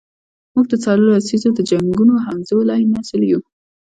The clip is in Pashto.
موږ د څو لسیزو د جنګونو همزولی نسل یو.